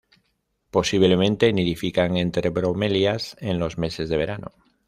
Posiblemente nidifican entre bromelias en los meses de verano.